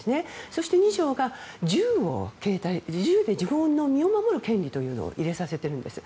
そして２条が銃で自分の身を守る権利というのを入れさせているんです。